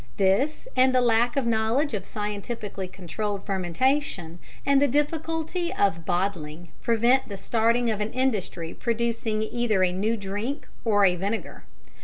This, and the lack of knowledge of scientifically controlled fermentation, and the difficulty of bottling, prevent the starting of an industry producing either a new drink or a vinegar.